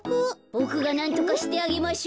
ボクがなんとかしてあげましょう。